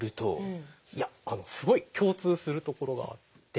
いやすごい共通するところがあって。